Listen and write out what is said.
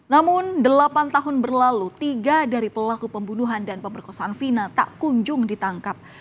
namun delapan tahun berlalu tiga dari pelaku pembunuhan dan pemerkosaan vina tak kunjung ditangkap